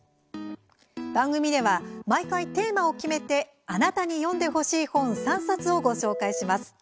番組では毎回、テーマを決めてあなたに読んでほしい本３冊をご紹介します。